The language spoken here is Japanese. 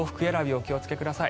お気をつけください。